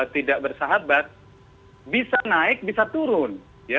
tidak bersahabat bisa naik bisa turun